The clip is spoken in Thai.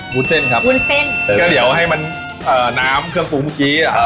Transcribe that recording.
หุ้นเส้นครับอุ้นเส้นก็เดี๋ยวให้มันเอ่อน้ำเพิ่มปูพุกี้อ่ะ